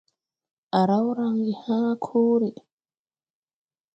À raw range hãã kore.